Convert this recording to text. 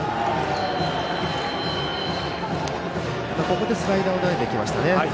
ここでスライダーを投げてきましたね。